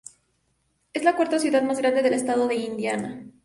Es la cuarta ciudad más grande del estado de Indiana.